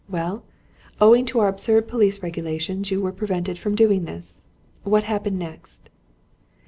Well? Owing to our absurd police regulations you were prevented from doing this. What happened next?"